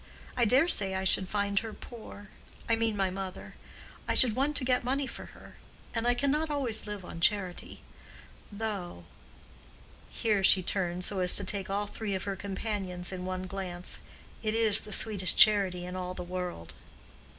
"I dare say I should find her poor—I mean my mother. I should want to get money for her. And I can not always live on charity; though"—here she turned so as to take all three of her companions in one glance—"it is the sweetest charity in all the world."